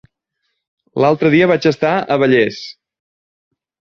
L'altre dia vaig estar a Vallés.